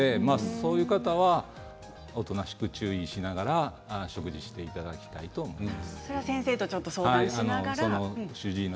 そういう方はおとなしく注意しながら食事をしていただきたいと思います。